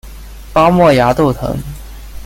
巴莫崖豆藤